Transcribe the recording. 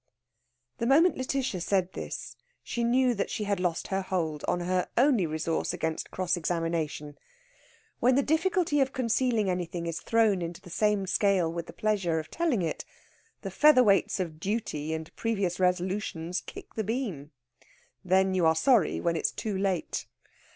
The moment Lætitia said this, she knew that she had lost her hold on her only resource against cross examination. When the difficulty of concealing anything is thrown into the same scale with the pleasure of telling it, the featherweights of duty and previous resolutions kick the beam. Then you are sorry when it's too late.